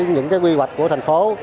những cái quy hoạch của thành phố